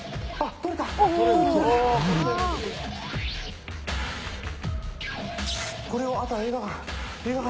これを、あとは映画館。